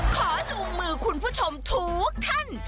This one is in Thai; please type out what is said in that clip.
จูงมือคุณผู้ชมทุกท่าน